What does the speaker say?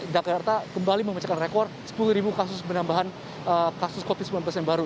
jakarta kembali memecahkan rekor sepuluh kasus penambahan kasus covid sembilan belas yang baru